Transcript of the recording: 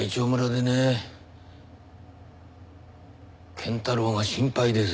謙太郎が心配です。